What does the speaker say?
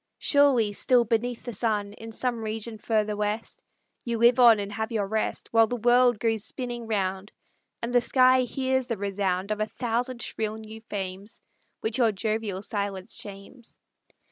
Surely, still beneath the sun, In some region further west, You live on and have your rest, While the world goes spinning round, And the sky hears the resound Of a thousand shrill new fames, Which your jovial silence shames!